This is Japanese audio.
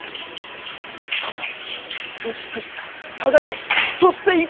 硬さ美しさ輝きそして意外性！